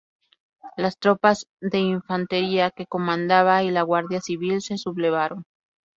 Las tropas de infantería que comandaba y la Guardia Civil se sublevaron.